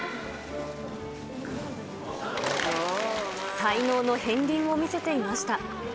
才能の片りんを見せていました。